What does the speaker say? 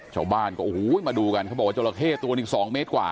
ชาวบ้านก็โอ้โหมาดูกันเขาบอกว่าจราเข้ตัวหนึ่ง๒เมตรกว่า